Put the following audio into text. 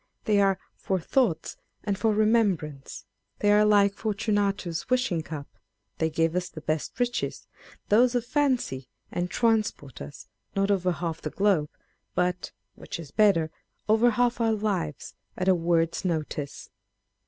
They are " for thoughts and for remem brance !" They are like Forturiatus's Wishing Capâ€" they give us the best riches â€" those of Fancy ; and transport us, not over half the globe, but (which is better) over half our lives, at a word's notice